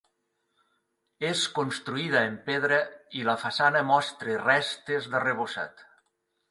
És construïda en pedra i la façana mostra restes d'arrebossat.